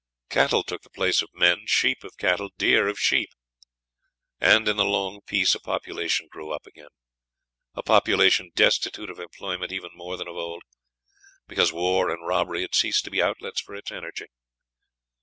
Cattle took the place of men, sheep of cattle, deer of sheep, and, in the long peace, a population grew up again a population destitute of employment even more than of old, because war and robbery had ceased to be outlets for its energy.